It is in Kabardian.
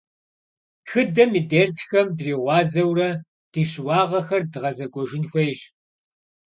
Тхыдэм и дерсхэм дригъуазэурэ ди щыуагъэхэр дгъэзэкӏуэжын хуейщ.